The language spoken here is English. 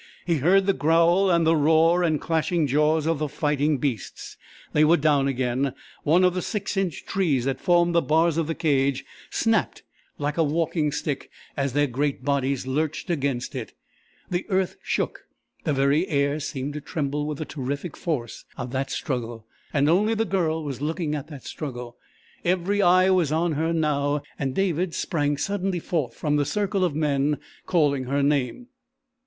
He heard the growl and roar and clashing jaws of the fighting beasts; they were down again; one of the 6 inch trees that formed the bars of the cage snapped like a walking stick as their great bodies lurched against it; the earth shook, the very air seemed to tremble with the terrific force of the struggle and only the Girl was looking at that struggle. Every eye was on her now, and David sprang suddenly forth from the circle of men, calling her name.